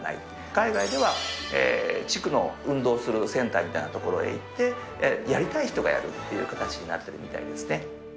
海外では地区の運動するセンターみたいな所へ行って、やりたい人がやるっていう形になっているみたいですね。